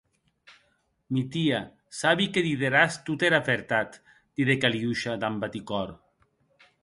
Mitia, sabi que dideràs tota era vertat, didec Aliosha damb baticòr.